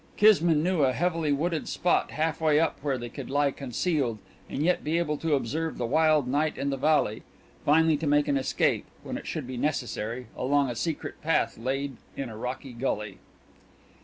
Kismine knew a heavily wooded spot half way up where they could lie concealed and yet be able to observe the wild night in the valley finally to make an escape, when it should be necessary, along a secret path laid in a rocky gully.